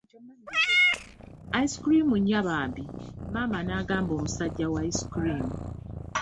Ice cream nnya bambi, maama n'agamba omusaijja wa ice cream.